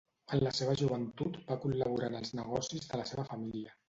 En la seva joventut, va col·laborar en els negocis de la seva família.